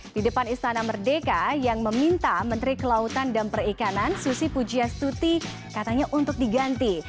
di depan istana merdeka yang meminta menteri kelautan dan perikanan susi pujiastuti katanya untuk diganti